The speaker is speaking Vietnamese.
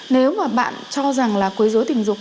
nếu mà bạn cho rằng là quy rối tình dục